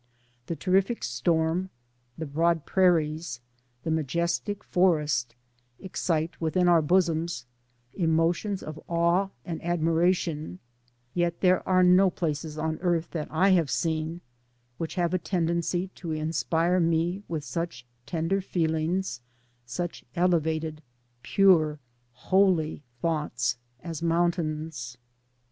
The terrific storm, the broad prairies, the majestic forest, excite within our bosoms emotions of awe and ad miration, yet there are no places on earth that I have seen which have a tendency to inspire me with such tender feelings, such elevated, pure, holy thoughts as mountains.